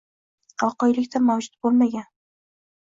voqelikda mavjud bo‘lmagan, b